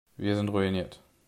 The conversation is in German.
Wir sind ruiniert.